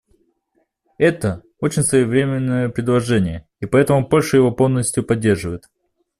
Это — очень своевременное предложение, и поэтому Польша его полностью поддерживает.